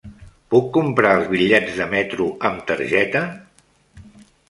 Puc comprar els bitllets de metro amb targeta?